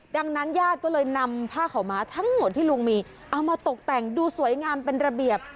ดังนั้นญาติก็เลยนำผ้าขาวม้าทั้งหมดที่ลุงมีเอามาตกแต่งดูสวยงามเป็นระเบียบ